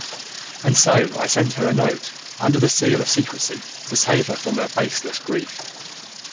And so I sent her a note under the seal of secrecy to save her from a baseless grief.